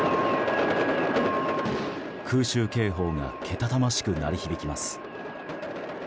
空襲警報がけたたましく鳴り響きます。